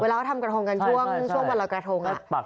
เวลาทำกระทงกันช่วงช่วงบรรลอยกระทงอะ